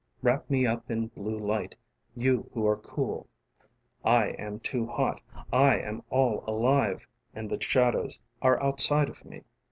Wrap me up in blue light, you who are cool. I am too hot, I am all alive and the shadows are outside of me.